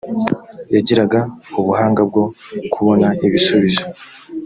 yagiraga ubuhanga bwo kubona ibisubizo